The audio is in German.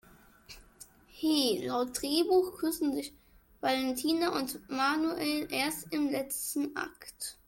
He, laut Drehbuch küssen sich Valentina und Manuel erst im letzten Akt!